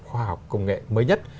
khoa học công nghệ mới nhất